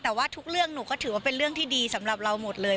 แต่ว่าทุกเรื่องหนูก็ถือว่าเป็นเรื่องที่ดีสำหรับเราหมดเลย